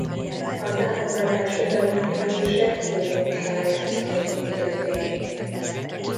A támogatás odaítélése uniós pályázatokon történik.